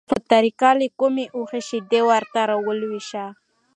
په طریقه له کومې اوښې شیدې ورته راولوشه،